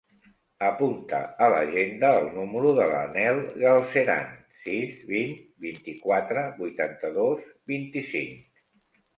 Apunta a l'agenda el número del Nel Galceran: sis, vint, vint-i-quatre, vuitanta-dos, vint-i-cinc.